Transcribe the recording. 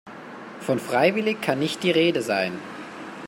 Von freiwillig kann nicht die Rede sein.